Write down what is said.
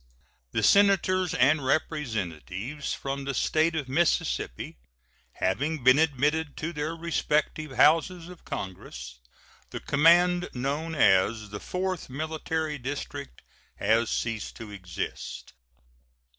The Senators and Representatives from the State of Mississippi having been admitted to their respective Houses of Congress, the command known as the Fourth Military District has ceased to exist.